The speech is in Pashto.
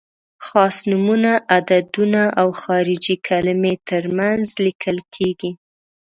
خاص نومونه، عددونه او خارجي کلمې تر منځ لیکل کیږي.